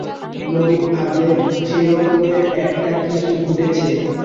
নবীন ভাবলে সেই রকমের একটা কিছু ঘটেছে।